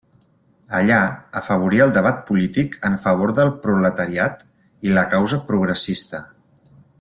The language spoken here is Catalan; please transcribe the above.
Allà afavorí el debat polític en favor del proletariat i la causa progressista.